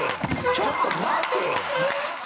「ちょっと待てぃ‼」